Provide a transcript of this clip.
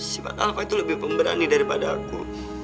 si pat alva itu lebih pemberani daripada aku